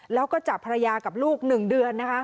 แล้วก็จับภรรยากับลูก๑เดือน